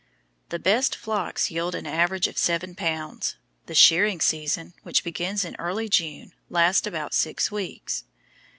The best flocks yield an average of seven pounds. The shearing season, which begins in early June, lasts about six weeks.